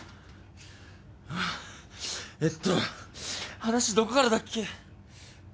えっと話どこからだっけ？